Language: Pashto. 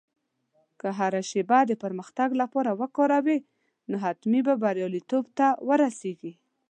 که هره شېبه د پرمختګ لپاره وکاروې، نو حتمي به بریالیتوب ته ورسېږې.